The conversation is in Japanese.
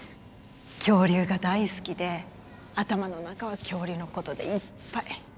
恐竜が大好きで頭の中は恐竜のことでいっぱい。